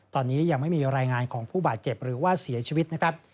ตอนนี้ยังไม่มีรายงานของผู้บาดเจ็บหรือว่าเสียชีวิตนะครับ